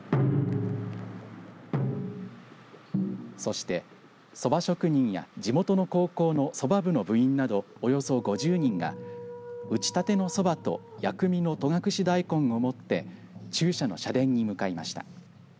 そして、そば職人や地元の高校のそば部の部員などおよそ５０人が打ちたてのそばと薬味の戸隠大根を持って中社の社殿に向かいました。